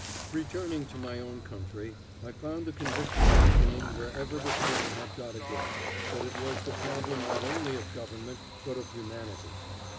Returning to my own country, I found the conviction deepening wherever the slum had got a grip, that it was the problem not only of government but of humanity.